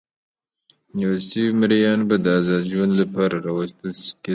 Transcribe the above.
نیول شوي مریان به د ازاد ژوند لپاره راوستل کېدل.